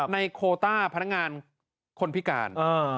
โคต้าพนักงานคนพิการ